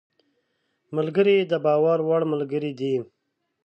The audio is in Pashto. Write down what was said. ملګری د باور وړ ملګری دی